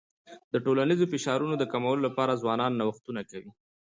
د ټولنیزو فشارونو د کمولو لپاره ځوانان نوښتونه کوي.